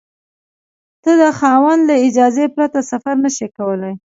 ته د خاوند له اجازې پرته سفر نشې کولای.